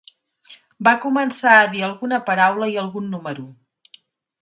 Va començar a dir alguna paraula i algun número